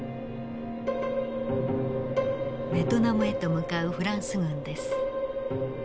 ベトナムへと向かうフランス軍です。